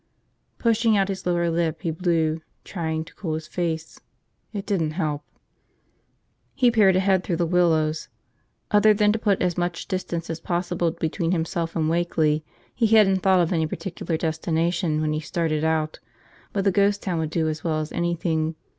Pushing out his lower lip he blew, trying to cool his face. It didn't help. He peered ahead through the willows. Other than to put as much distance as possible between himself and Wakeley, he hadn't thought of any particular destination when he started out, but the ghost town would do as well as anything.